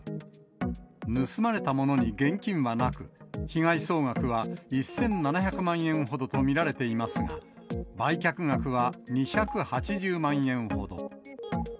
盗まれたものに現金はなく、被害総額は１７００万円ほどと見られていますが、売却額は２８０万円ほど。